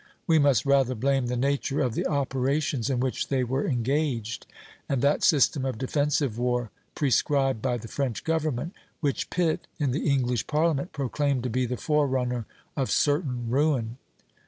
We must rather blame the nature of the operations in which they were engaged, and that system of defensive war prescribed by the French government, which Pitt, in the English Parliament, proclaimed to be the forerunner of certain ruin.